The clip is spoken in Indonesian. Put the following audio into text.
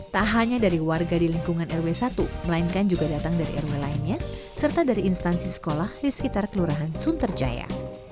tak hanya dari warga di lingkungan rw satu melainkan juga datang dari rw lainnya serta dari instansi sekolah di sekitar kelurahan sunterjaya